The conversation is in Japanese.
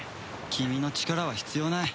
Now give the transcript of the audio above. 君の力は必要ない。